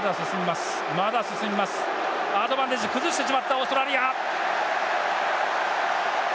アドバンテージ崩してしまったオーストラリア！